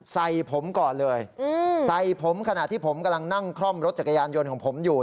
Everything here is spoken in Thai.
ใส่ผมก่อนเลยใส่ผมขณะที่ผมกำลังนั่งคล่อมรถจักรยานยนต์ของผมอยู่